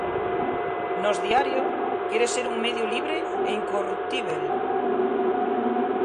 Nós Diario quere ser un medio libre e incorruptíbel.